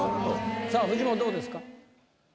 さあフジモンどうですか？